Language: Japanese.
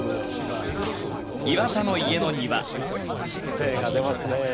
精が出ますね。